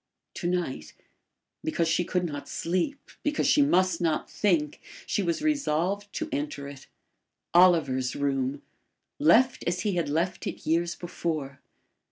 To night because she could not sleep; because she must not think she was resolved to enter it. Oliver's room! left as he had left it years before!